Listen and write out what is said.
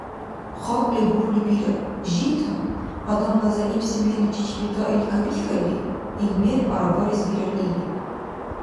Халкьли бурули бирар, жита, адамла зягӀипси мерличи чебетаили кабихьалли, ил мер арабарес бирар или.